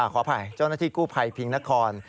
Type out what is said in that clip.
ขออภัยเจ้าหน้าที่กู้ภัยพิงนคร